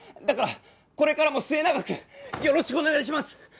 だからこれからも末永くよろしくお願いします！